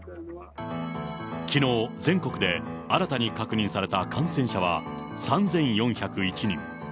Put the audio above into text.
きのう、全国で新たに確認された感染者は３４０１人。